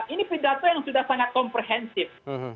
ini pidato yang sudah sangat komprehensif